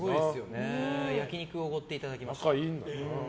焼き肉をおごっていただきました。